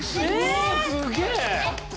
おすげえ！